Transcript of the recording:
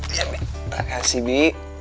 terima kasih bi